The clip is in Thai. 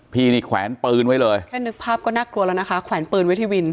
พี่นี่แขวนปืนไว้เลยแค่นึกภาพก็น่ากลัวแล้วนะคะแขวนปืนไว้ที่วิน